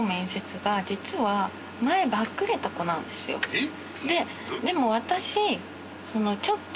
えっ！？